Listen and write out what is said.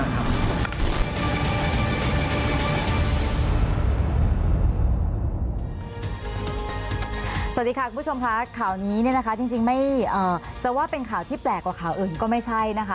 สวัสดีค่ะคุณผู้ชมค่ะข่าวนี้เนี่ยนะคะจริงจะว่าเป็นข่าวที่แปลกกว่าข่าวอื่นก็ไม่ใช่นะคะ